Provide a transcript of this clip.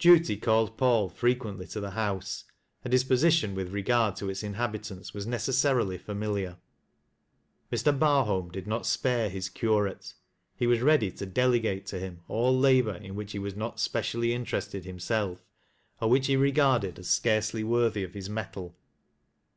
Duty called Paiil frequently to the house, and his position with regard to its inhabitants was necessarily familiar. Mr. Barholm did not spare his curate ; he was ready to delegate to him all labor in wliich he was not specially interested himself, or which he regarded as scarcely worthy of his mettle.